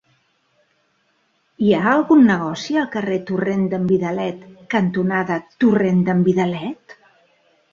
Hi ha algun negoci al carrer Torrent d'en Vidalet cantonada Torrent d'en Vidalet?